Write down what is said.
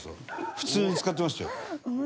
普通に使ってましたよ。